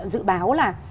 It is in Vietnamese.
dự báo là